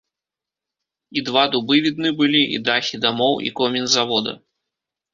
І два дубы відны былі, і дахі дамоў, і комін завода.